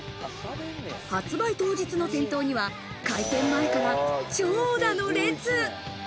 発売当日の店頭には開店前から長蛇の列。